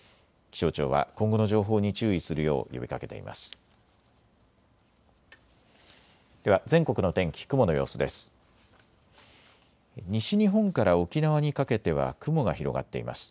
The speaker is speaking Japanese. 気象庁は今後の情報に注意するよう呼びかけています。